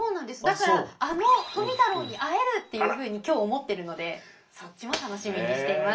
だからあの富太郎に会えるっていうふうに今日思ってるのでそっちも楽しみにしています。